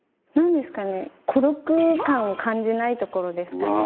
何ですかね孤独感を感じないところですかね。